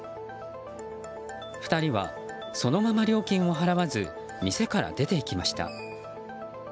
２人はそのまま料金を払わず店から出て行きました。